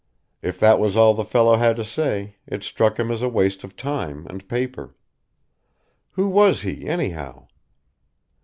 If that was all the fellow had to say it struck him as a waste of time and paper. Who was he, anyhow?